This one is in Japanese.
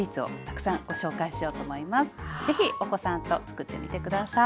ぜひお子さんとつくってみて下さい。